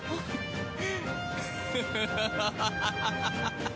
ハハハハ！